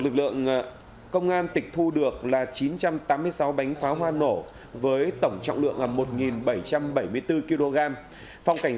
lực lượng công an tịch thu được là chín trăm tám mươi sáu bánh pháo hoa nổ với tổng trọng lượng là một bảy trăm bảy mươi bốn kg phòng cảnh